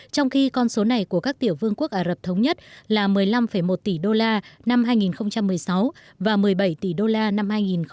trong khi con số này của các tiểu vương quốc ả rập thống nhất là một mươi năm một tỷ đô la năm hai nghìn một mươi sáu và một mươi bảy tỷ đô la năm hai nghìn một mươi tám